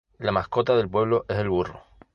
La mascota del pueblo es el burro.